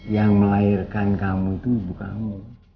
yang melahirkan kamu itu ibu kamu